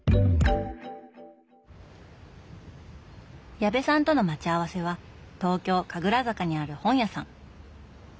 矢部さんとの待ち合わせは東京・神楽坂にある本屋さん。